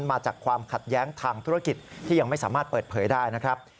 มาจากความขัดแย้งทางธุรกิจที่ยังไม่สามารถเปิดเผยได้นะครับ